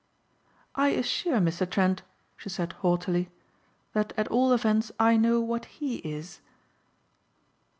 "I assure Mr. Trent," she said haughtily, "that at all events I know what he is."